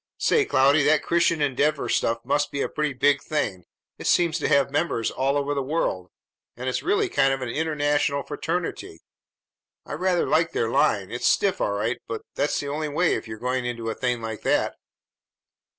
Say, Cloudy, that Christian Endeavor stuff must be a pretty big thing. It seems to have members all over the world, and it's really a kind of international fraternity. I rather like their line. It's stiff all right, but that's the only way if you're going into a thing like that."